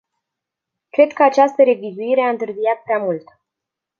Cred că această revizuire a întârziat prea mult.